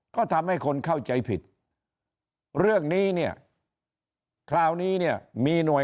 ก็ทำให้คนเข้าใจผิดเรื่องนี้เนี่ยคราวนี้เนี่ยมีหน่วย